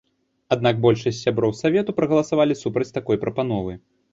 Аднак большасць сяброў савету прагаласавалі супраць такой прапановы.